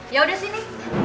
ya udah sini